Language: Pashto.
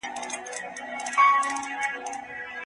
په کورنۍ کې روزنه پیلیږي.